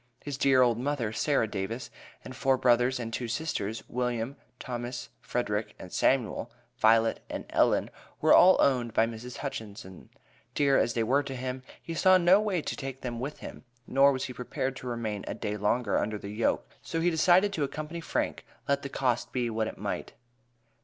His dear old mother, Sarah Davis, and four brothers and two sisters, William, Thomas, Frederick and Samuel, Violet and Ellen, were all owned by Mrs. Hutchinson. Dear as they were to him, he saw no way to take them with him, nor was he prepared to remain a day longer under the yoke; so he decided to accompany Frank, let the cost be what it might.